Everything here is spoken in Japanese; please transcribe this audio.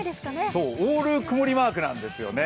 そう、オール曇りマークなんですよね。